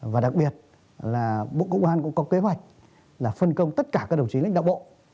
và đặc biệt là bộ công an cũng có kế hoạch là phân công tất cả các đồng chí lãnh đạo bộ